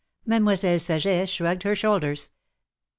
Mademoiselle Saget shrugged her shoulders.